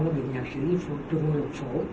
nó bị nhạc sĩ trung quốc lục phổ